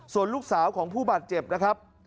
ส่วนลูกสาวของผู้บาดเจ็บนะครับ